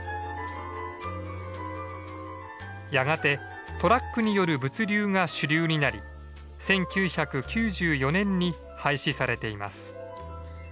やがてトラックによる物流が主流になり１９９４年に廃止されています。